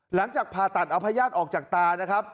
หลังจากผ่าตัดเอาพญาติออกจากตานะครับ